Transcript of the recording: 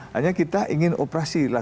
hanya kita ingin operasi